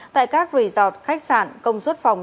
tại các resort khách sạn công suất phòng